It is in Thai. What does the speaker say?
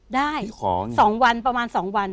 ได้สองวันประมาณสองวัน